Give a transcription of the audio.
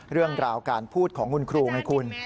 เรื่องราวการพูดของคุณครูไงคุณ